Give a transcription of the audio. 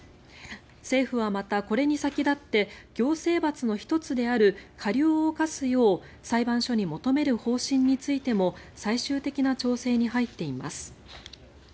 政府はまた、これに先立って行政罰の１つである科料を科すよう裁判所に求める方針についても最終的な調整に入っています。